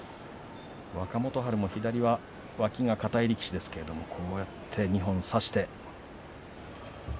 若元春が左が脇が硬い力士ですけれどもこうやって２本差して。